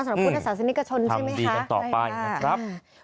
สำหรับพุทธศาสนิกชนใช่ไหมคะ